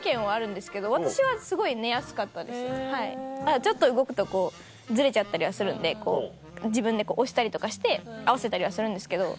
ちょっと動くとこうずれちゃったりはするんで自分でこう押したりとかして合わせたりはするんですけど。